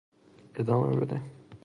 ادامه بده!